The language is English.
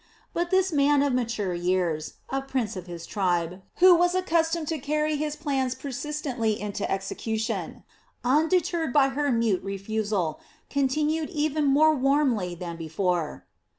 But this man of mature years, a prince of his tribe, who was accustomed to carry his plans persistently into execution, undeterred by her mute refusal, continued even more warmly than before.